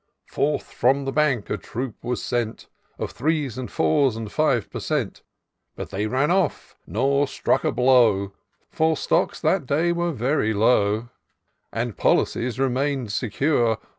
Forth from the Bank a troop was sent Of threes and fours and fives per cent. ; But they ran ofi*, nor struck a blow ; For Stocks that day were very low. Tlie Policies remain'd secure.